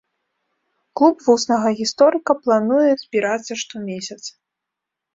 Клуб вуснага гісторыка плануе збірацца штомесяц.